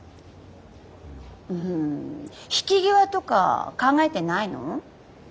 引き際とか考えてないの？